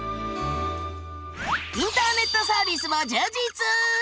インターネットサービスも充実！